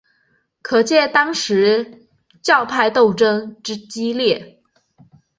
可见当时教派斗争之激烈。